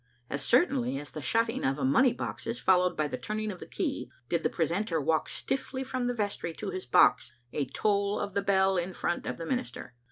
As certainly as the shutting of a money box is followed by the turning of the key, did the precentor walk stiffly from the vestry to his box a toll of the bell in front of the minister.